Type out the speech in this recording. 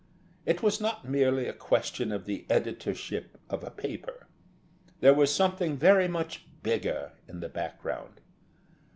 It was not merely a question of the editorship of a paper; there was something very much bigger in the background.